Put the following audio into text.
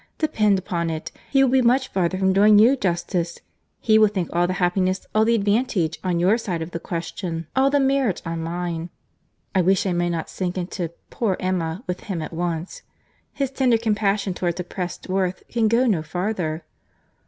Depend upon it, he will be much farther from doing you justice. He will think all the happiness, all the advantage, on your side of the question; all the merit on mine. I wish I may not sink into 'poor Emma' with him at once.—His tender compassion towards oppressed worth can go no farther."